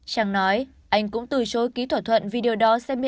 chang nói anh cũng từ chối ký thỏa thuận vì điều đó sẽ miễn dự